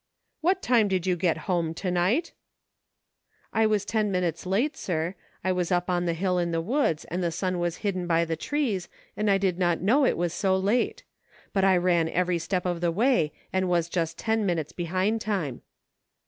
" What time did you get home to night }"" I was ten minutes late, sir ; I was up on the hill in the woods, and the sun was hidden by the trees, and I did not know it was so late ; but I ran every step of the way, and was just ten minutes behind time."